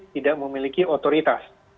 mereka tidak memiliki otoritas